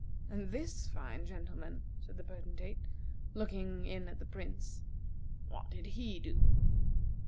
"And this fine gentleman," said the Potentate, looking in at the Prince, "what did he do?"